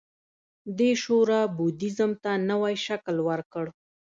دې شورا بودیزم ته نوی شکل ورکړ